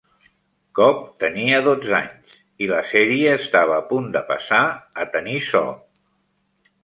Cobb tenia dotze anys, i la sèrie estava a punt de passar a tenir so.